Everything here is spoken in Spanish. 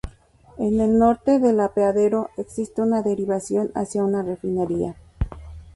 En el norte del apeadero existe una derivación hacia una refinería.